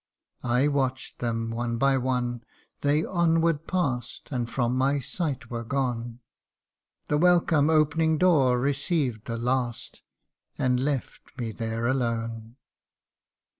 I watch'd them one by one they onward pass'd And from my sight were gone, The welcome opening door received the last And left me there alone.